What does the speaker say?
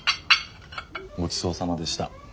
ごちそうさまでした。